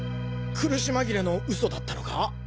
苦しまぎれのウソだったのか？